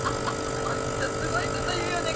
ホントすごいこと言うよね